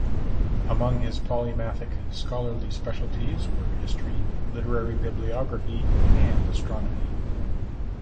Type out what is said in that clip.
Among his polymathic scholarly specialties were history, literary bibliography, and astronomy.